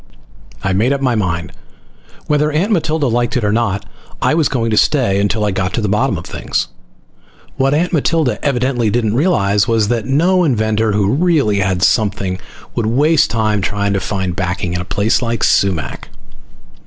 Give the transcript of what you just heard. I made up my mind. Whether Aunt Matilda liked it or not, I was going to stay until I got to the bottom of things. What Aunt Matilda evidently didn't realize was that no inventor who really had something would waste time trying to find backing in a place like Sumac.